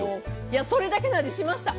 それだけの味しました。